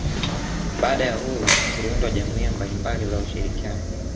Baada ya uhuru ziliundwa jaumuiya mbalimbali za ushirikiano